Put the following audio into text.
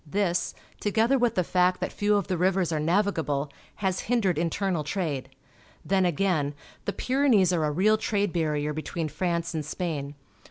This, together with the fact that few of the rivers are navigable, has hindered internal trade. Then again, the Pyrenees are a real trade barrier between France and Spain.